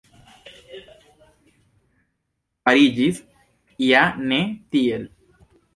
Fariĝis ja ne tiel.